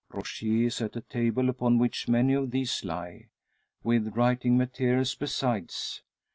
Rogier is at a table upon which many of these lie, with writing materials besides.